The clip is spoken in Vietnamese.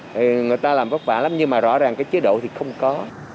thì người ta làm vất vả lắm nhưng mà rõ ràng cái chế độ thì không có